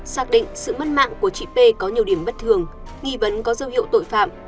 xác định sự mất mạng của chị p có nhiều điểm bất thường nghi vấn có dấu hiệu tội phạm